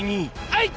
はい！